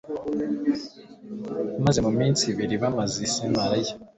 maze mu minsi ibiri bamaze i Samariya,